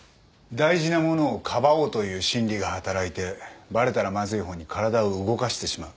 大事なものをかばおうという心理が働いてバレたらまずい方に体を動かしてしまう。